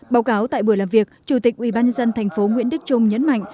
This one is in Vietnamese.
báo cáo tại buổi làm việc chủ tịch ubnd tp nguyễn đức trung nhấn mạnh